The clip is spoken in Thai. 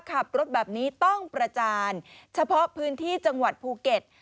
ขับรถแบบนี้ต้องประจานเฉพาะพื้นที่จังหวัดภูเก็ต